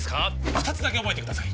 二つだけ覚えてください